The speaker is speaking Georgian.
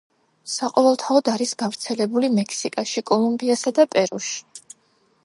საყოველთაოდ არის გავრცელებული მექსიკაში, კოლუმბიასა და პერუში.